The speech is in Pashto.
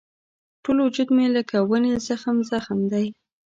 ټول وجود مې لکه ونې زخم زخم دی.